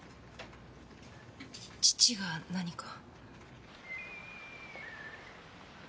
父が何か？